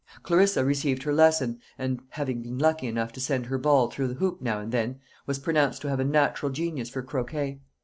Clarissa received her lesson, and (having been lucky enough to send her ball through the hoop now and then) was pronounced to have a natural genius for croquet.